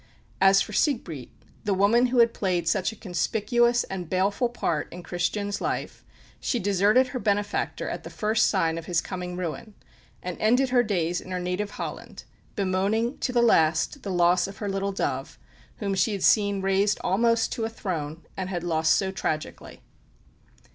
As for Sigbrit, the woman who had played such a conspicuous and baleful part in Christian's life, she deserted her benefactor at the first sign of his coming ruin and ended her days in her native Holland, bemoaning to the last the loss of her "little dove," whom she had seen raised almost to a throne and had lost so tragically.